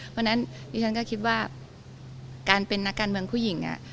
เพราะฉะนั้นดิฉันก็คิดว่าการเป็นนักการเมืองผู้หญิง